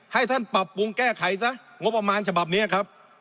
ให้ท่านปรับปรุงแก้ไขซะงบประมาณฉบับนี้ครับ